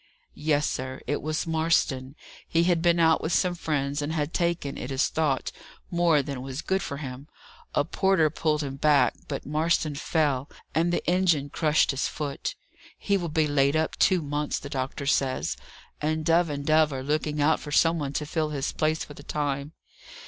"Yes, sir. It was Marston. He had been out with some friends, and had taken, it is thought, more than was good for him. A porter pulled him back, but Marston fell, and the engine crushed his foot. He will be laid up two months, the doctor says, and Dove and Dove are looking out for some one to fill his place for the time.